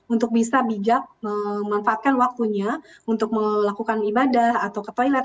untuk bisa bijak memanfaatkan waktunya untuk melakukan ibadah atau ke toilet